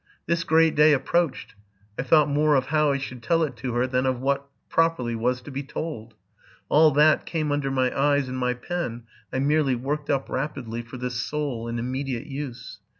This great day approached ; I thought more of how I should tell it to her than of what properly was to be told: all that came under my eyes and my pen I merely worked up rapidly for this sole 162 TRUTH AND FICTION and immediate use.